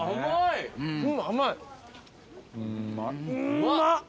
うまっ！